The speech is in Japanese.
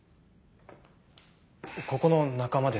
ここの仲間ですか？